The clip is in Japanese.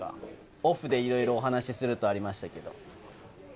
オフでいろいろお話しするとありましたけど。